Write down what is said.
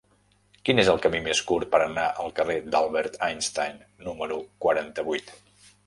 Quin és el camí més curt per anar al carrer d'Albert Einstein número quaranta-vuit?